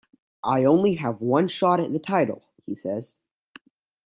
"I only have one shot at the title," he says.